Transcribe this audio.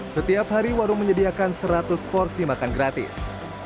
setiap hari warung menyediakan seratus porsi makan gratis